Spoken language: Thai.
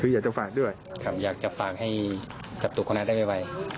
อยากจะฝากให้จับตัวคนนั้นได้ไว